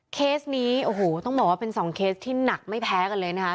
เคสนี้โอ้โหต้องบอกว่าเป็นสองเคสที่หนักไม่แพ้กันเลยนะคะ